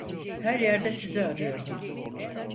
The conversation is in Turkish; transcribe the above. Her yerde sizi arıyordum.